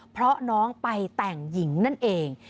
เพราะน้องไปแต่งหญิงนั่นเอง